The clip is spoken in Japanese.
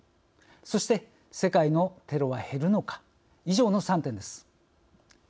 そして、世界のテロは減るのか以上の３点です。